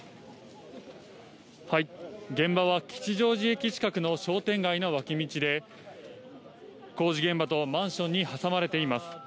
現場は吉祥寺駅近くの商店街の脇道で工事現場とマンショに挟まれています。